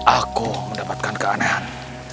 aku mendapatkan keanehan